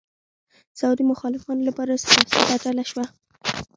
سعودي مخالفانو لپاره وسله بدله شوه